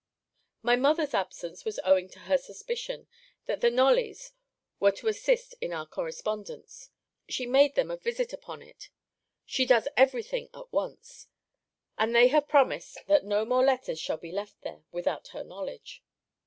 My mother's absence was owing to her suspicion, that the Knolly's were to assist in our correspondence. She made them a visit upon it. She does every thing at once. And they have promised, that no more letters shall be left there, without her knowledge.